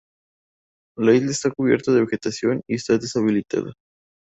La isla esta cubierta de vegetación y está deshabitada.